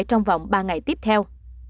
trong vòng ba ngày tiếp theo